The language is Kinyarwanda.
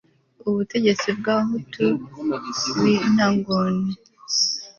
Ubutegetsi bw Abahutu b intagondwa